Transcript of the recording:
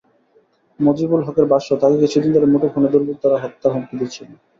মজিবুল হকের ভাষ্য, তাঁকে কিছুদিন ধরে মুঠোফোনে দুর্বৃত্তরা হত্যার হুমকি দিচ্ছিল।